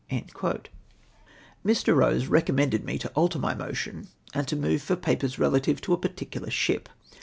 " ]\ii\ Eose recommended me to alter my motion, and to move for papers relative to a particular ship.